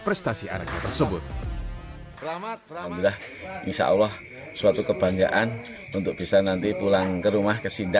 prestasi anaknya tersebut insyaallah suatu kebanggaan untuk bisa nanti pulang ke rumah